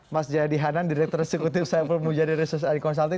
mas jaya dihanan direktur sekutif saipul mujadir resesari konsaltik